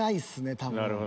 多分。